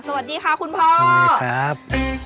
สวัสดีค่ะคุณพ่อสวัสดีครับสวัสดีครับ